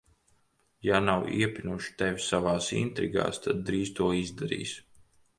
Ja nav iepinuši tevi savās intrigās, tad drīz to izdarīs.